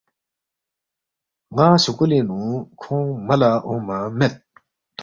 تا سکُولِنگ نُو کھونگ ملا اونگما مید